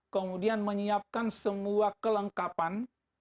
kemudian menyiapkan semua kelengkapan